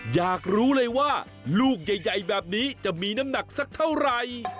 อยากรู้เลยว่าลูกใหญ่แบบนี้จะมีน้ำหนักสักเท่าไหร่